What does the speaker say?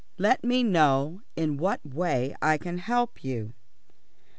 "Let me know in what way I can help you."